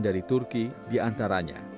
dari turki diantaranya